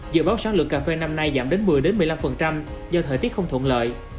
dự báo sản lượng cà phê năm nay giảm đến một mươi một mươi năm do thời tiết không thuận lợi